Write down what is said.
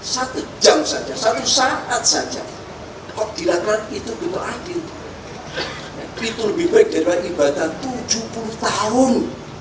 satu jam saja satu saat saja kok dilakukan itu betul adil itu lebih baik daripada ibadah tujuh puluh tahun